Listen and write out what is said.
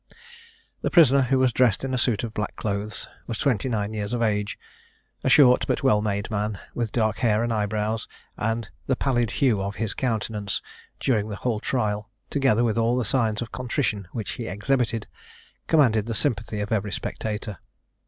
The prisoner, who was dressed in a suit of black clothes, was twenty nine years of age, a short but well made man, with dark hair and eye brows; and the pallid hue of his countenance, during the whole trial, together with all the signs of contrition which he exhibited, commanded the sympathy of every spectator.